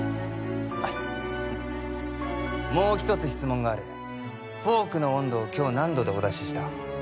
はいもう一つ質問があるフォークの温度を今日何度でお出しした？